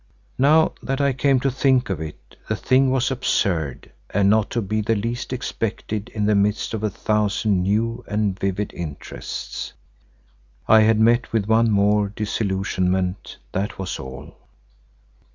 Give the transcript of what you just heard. Now that I came to think of it, the thing was absurd and not to be the least expected in the midst of a thousand new and vivid interests. I had met with one more disillusionment, that was all.